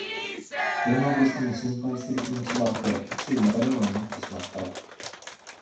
電話越しでも心配する気持ちがあふれ、つい長電話になってしまった